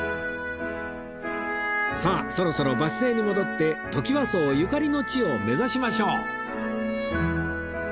さあそろそろバス停に戻ってトキワ荘ゆかりの地を目指しましょう